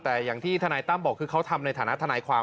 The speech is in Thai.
แต่อย่างที่ทนายตั้มบอกคือเขาทำในฐานะทนายความ